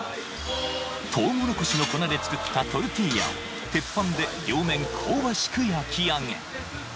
トウモロコシの粉で作ったトルティーヤを鉄板で両面香ばしく焼きあげ